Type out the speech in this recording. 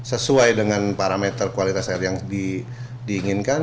sesuai dengan parameter kualitas air yang diinginkan